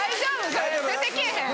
それ出てけぇへん？